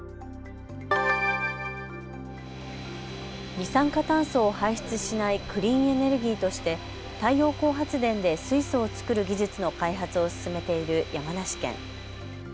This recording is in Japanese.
二酸化炭素を排出しないクリーンエネルギーとして太陽光発電で水素を作る技術の開発を進めている山梨県。